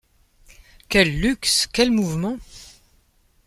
Quel luxe ! quel mouvement !